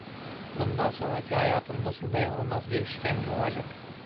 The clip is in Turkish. Bundan sonraki hayatım nasıl dayanılmaz bir işkence olacak!